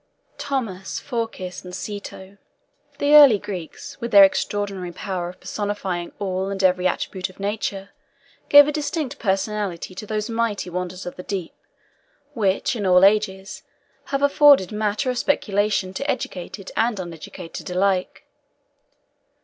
THAUMAS, PHORCYS, and CETO. The early Greeks, with their extraordinary power of personifying all and every attribute of Nature, gave a distinct personality to those mighty wonders of the deep, which, in all ages, have afforded matter of speculation to educated and uneducated alike.